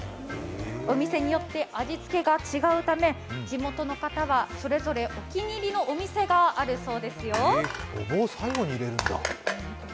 お店によって味付けが違うため地元の方は、それぞれお気に入りのお店があるそうですよ。